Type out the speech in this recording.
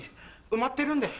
埋まってるんで。